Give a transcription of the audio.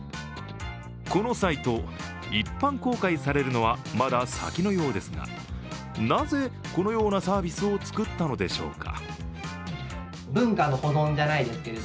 このサイト、一般公開されるのはまだ先のようですが、なぜ、このようなサービスを作ったのでしょうか。